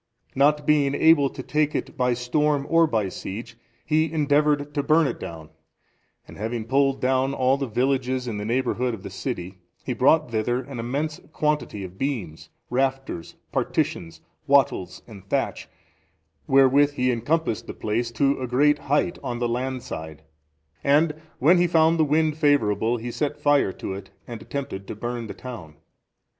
Not being able to take it by storm or by siege, he endeavoured to burn it down; and having pulled down all the villages in the neighbourhood of the city, he brought thither an immense quantity of beams, rafters, partitions, wattles and thatch, wherewith he encompassed the place to a great height on the land side, and when he found the wind favourable, he set fire to it and attempted to burn the town.